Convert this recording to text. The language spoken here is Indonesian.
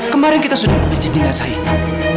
kemarin kita sudah memiliki jenazah itu